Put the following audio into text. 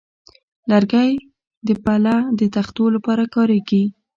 لرګی د پله د تختو لپاره کارېږي.